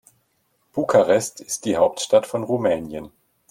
Bukarest ist die Hauptstadt von Rumänien.